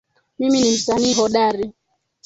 Mimi ni msanii hodari